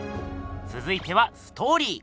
つづいてはストーリー。